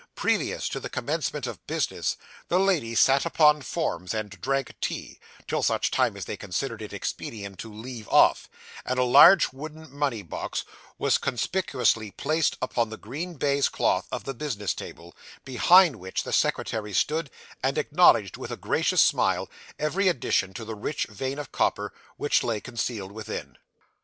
Previous to the commencement of business, the ladies sat upon forms, and drank tea, till such time as they considered it expedient to leave off; and a large wooden money box was conspicuously placed upon the green baize cloth of the business table, behind which the secretary stood, and acknowledged, with a gracious smile, every addition to the rich vein of copper which lay concealed within.